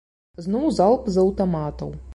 Зноў залп з аўтаматаў.